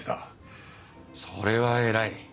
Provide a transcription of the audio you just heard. それは偉い。